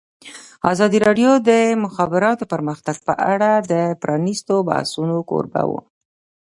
ازادي راډیو د د مخابراتو پرمختګ په اړه د پرانیستو بحثونو کوربه وه.